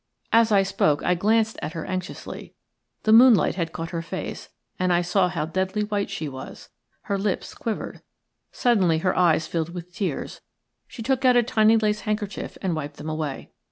As I spoke I glanced at her anxiously. The moonlight had caught her face, and I saw how deadly white she was. Her lips quivered. Suddenly her eyes filled with tears. She took out a tiny lace handkerchief and wiped them away.